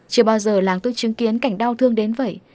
chưa bao giờ làng tôi chứng kiến cảnh đau thương đến vậy